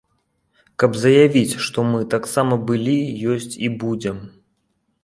Каб заявіць, што, мы таксама былі, ёсць і будзем!